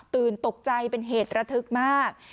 ตกใจเป็นเหตุระทึกมาก